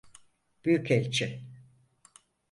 Büyükelçi.